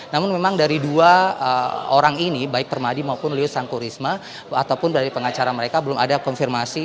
namun memang dari dua orang ini baik permadi maupun lius sangkurisma ataupun dari pengacara mereka belum ada konfirmasi